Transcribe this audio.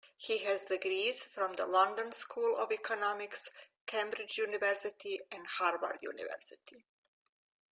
He has degrees from the London School of Economics, Cambridge University and Harvard University.